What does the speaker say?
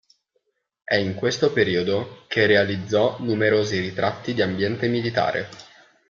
È in questo periodo che realizzò numerosi ritratti di ambiente militare.